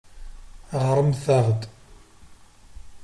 Ɣṛemt-aɣ-d.